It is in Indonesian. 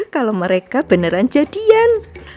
kalau mereka beneran jadian